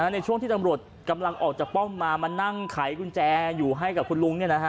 ในช่วงที่ตำรวจกำลังออกจากป้อมมามานั่งไขกุญแจอยู่ให้กับคุณลุง